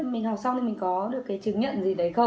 mình học xong thì mình có được cái chứng nhận gì đấy không